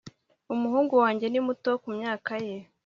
umuhungu wanjye ni muto kumyaka ye